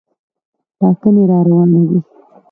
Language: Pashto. ټاکنې راروانې دي.